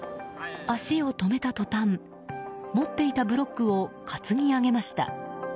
足を止めた途端持っていたブロックを担ぎ上げました。